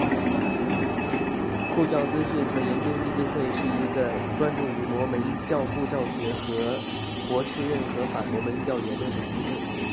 护教资讯和研究基金会是一个专注于摩门教护教学和驳斥任何反摩门教言论的机构。